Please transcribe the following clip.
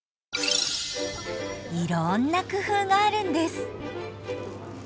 いろんな工夫があるんです。